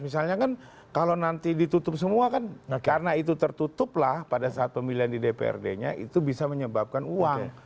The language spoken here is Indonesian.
misalnya kan kalau nanti ditutup semua kan karena itu tertutuplah pada saat pemilihan di dprd nya itu bisa menyebabkan uang